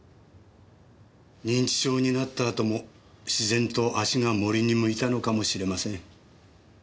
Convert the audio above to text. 認知症になったあとも自然と足が森に向いたのかもしれません。